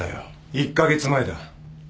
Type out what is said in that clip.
１カ月前だ。